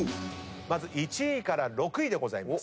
まず１位から６位でございます。